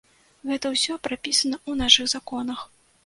Гэта ўсё прапісана ў нашых законах.